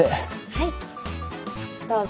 はいどうぞ。